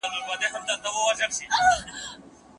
صالحه ميرمن خپل خاوند د اسراف پر وخت متوجه کوي.